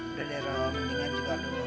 udah deh roh mendingan juga lu